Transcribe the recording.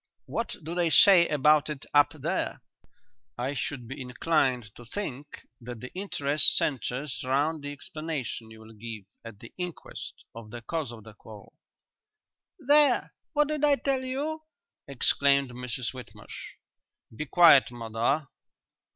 "What do they say about it up there?" "I should be inclined to think that the interest centres round the explanation you will give at the inquest of the cause of the quarrel." "There! What did I tell you?" exclaimed Mrs Whitmarsh. "Be quiet, mother.